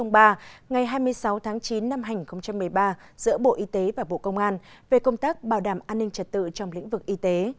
ngày hai mươi sáu tháng chín năm hai nghìn một mươi ba giữa bộ y tế và bộ công an về công tác bảo đảm an ninh trật tự trong lĩnh vực y tế